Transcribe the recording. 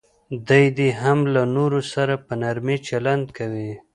دی دې هم له نورو سره په نرمي چلند کوي.